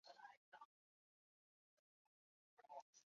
老河道被淤沙填积。